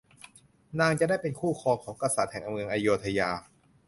นางจะได้เป็นคู่ครองของกษัตริย์แห่งเมืองอโยธยา